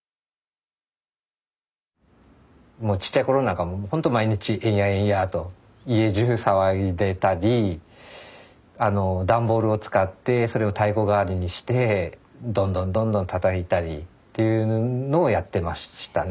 もうちっちゃい頃なんかはもうほんと毎日エンヤエンヤー！と家じゅう騒いでたりダンボールを使ってそれを太鼓代わりにしてドンドンドンドンたたいたりっていうのをやってましたね。